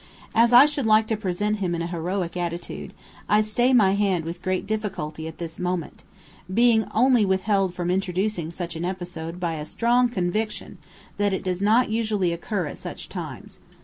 As I should like to present him in a heroic attitude, I stay my hand with great difficulty at this moment, being only withheld from introducing such an episode by a strong conviction that it does not usually occur at such times.